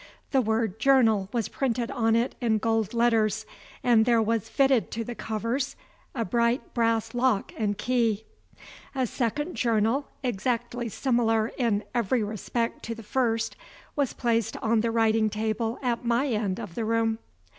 The word "Journal" was printed on it in gold letters, and there was fitted to the covers a bright brass lock and key. A second journal, exactly similar in every respect to the first, was placed on the writing table at my end of the room.